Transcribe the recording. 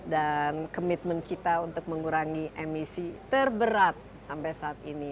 komitmen kita untuk mengurangi emisi terberat sampai saat ini